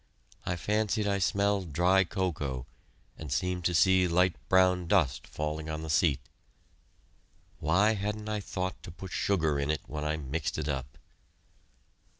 I fancied I smelled dry cocoa, and seemed to see light brown dust falling on the seat. Why hadn't I thought to put sugar in it when I mixed it up?